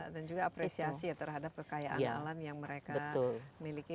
dan juga apresiasi ya terhadap kekayaan alam yang mereka miliki